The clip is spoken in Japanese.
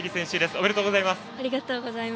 ありがとうございます。